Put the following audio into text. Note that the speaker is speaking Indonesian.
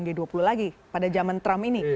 g dua puluh lagi pada zaman trump ini